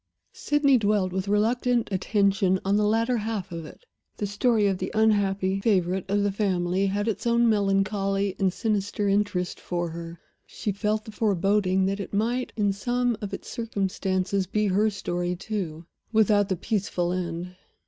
Sydney dwelt with reluctant attention on the latter half of it. The story of the unhappy favorite of the family had its own melancholy and sinister interest for her. She felt the foreboding that it might, in some of its circumstances, be her story too without the peaceful end.